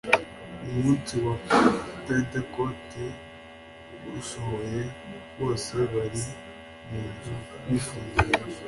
Umunsi wa Pentekote usohoye bose bari bari mu nzu bifungiranye